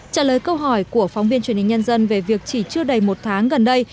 trả lời câu hỏi của phóng viên truyền hình nhân dân về việc chỉ chưa đầy một tháng gần đây